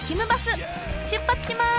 出発します！